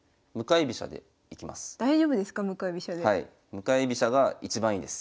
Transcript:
向かい飛車が一番いいです。